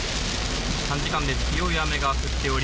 短時間で強い雨が降っており